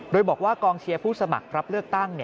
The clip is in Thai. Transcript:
โดยบอกว่ากองเชียร์ผู้สมัครรับเลือกตั้ง